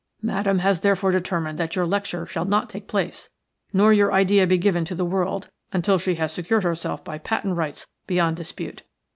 Madame has therefore determined that your lecture shall not take place, nor your idea be given to the world, until she has secured herself by patent rights beyond dispute.